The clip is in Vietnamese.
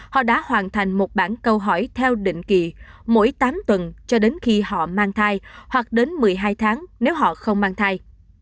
họ đã hoàn thành một bản câu hỏi theo định kỳ mỗi tám tuần cho đến khi họ mang thai hoặc đến một mươi hai tháng nếu họ không mang thai